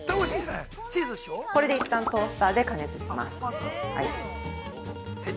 これで一旦トースターで加熱します。